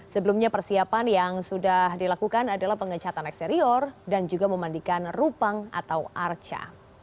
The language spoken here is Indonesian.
sebelumnya persiapan yang sudah dilakukan adalah pengecatan eksterior dan juga memandikan rupang atau arca